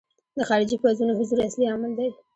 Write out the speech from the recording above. د خارجي پوځونو حضور اصلي عامل دی.